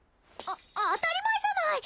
当たり前じゃない！